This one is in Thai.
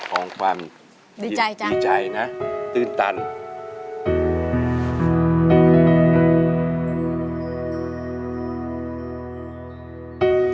ร้องได้ไอ้ล้าง